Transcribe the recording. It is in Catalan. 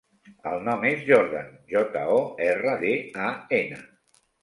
El nom és Jordan: jota, o, erra, de, a, ena.